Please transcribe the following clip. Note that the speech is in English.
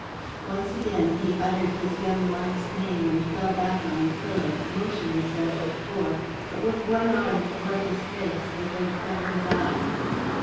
Once again he uttered his young wife's name, and fell back on the pillow, motionless as before, but with one arm athwart his face, as though to cover his eyes.